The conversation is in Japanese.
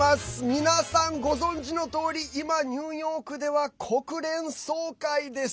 皆さん、ご存じのとおり今ニューヨークでは国連総会です。